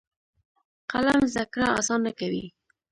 قلم زده کړه اسانه کوي.